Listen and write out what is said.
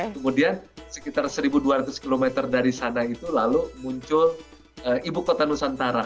kemudian sekitar satu dua ratus km dari sana itu lalu muncul ibu kota nusantara